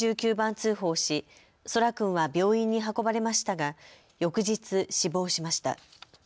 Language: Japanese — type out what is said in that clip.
通報し空来君は病院に運ばれましたが翌日死亡しました。